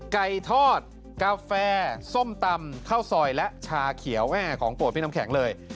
ไก่ทอดกาแฟส้มตำข้าวซอยและชาเขียวแม่ของโปรดพี่น้ำแข็งเลย